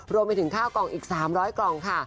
รวมไปถึงข้าวกล่องอีก๓๐๐กล่องค่ะ